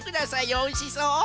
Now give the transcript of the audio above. おいしそう！